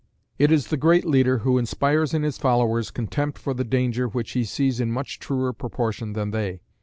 It is the great leader who inspires in his followers contempt for the danger which he sees in much truer proportion than they.